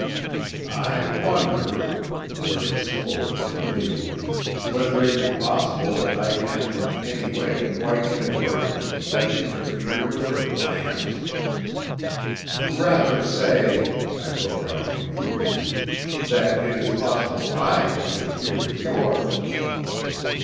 "I wonder" very slowly and lazily "whether it be possible that I can in any way, quite inadvertently, have interfered with your plans?" "Rather say," I broke out imprudently, "that it is possible I may interfere with yours!"